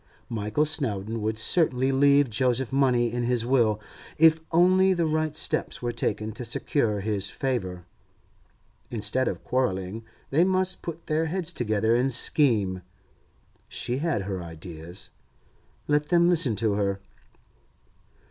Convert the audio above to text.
Michael Snowdon would certainly leave Joseph money in his will, if only the right steps were taken to secure his favour. Instead of quarrelling, they must put their heads together and scheme. She had her ideas; let them listen to her.